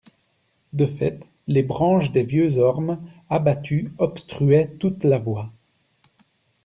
De fait, les branches des vieux ormes abattus obstruaient toute la voie.